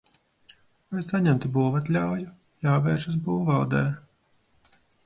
Lai saņemtu būvatļauju, jāvēršas būvvaldē.